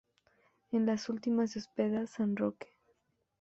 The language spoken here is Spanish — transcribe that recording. En la última se "hospeda" "San Roque".